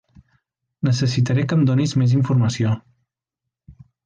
Necessitaré que em donis més informació